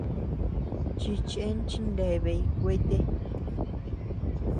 Chichëen chineabay kuete.